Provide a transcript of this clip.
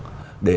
thế nên là